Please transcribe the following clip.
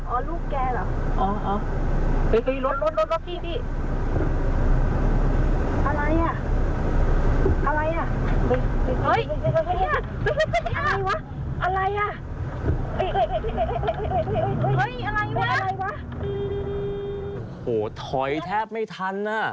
โอ้โหถอยแทบไม่ทันอ่ะ